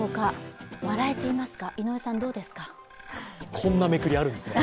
こんなめくりあるんですね。